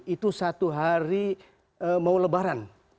itu satu hari mau lebaran